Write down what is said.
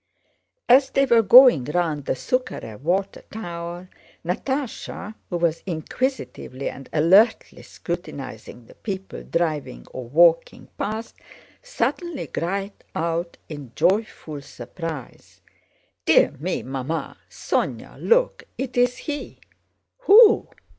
As they were going round the Súkharev water tower Natásha, who was inquisitively and alertly scrutinizing the people driving or walking past, suddenly cried out in joyful surprise: "Dear me! Mamma, Sónya, look, it's he!" "Who?